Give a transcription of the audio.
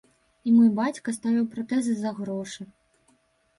І мой бацька ставіў пратэзы за грошы.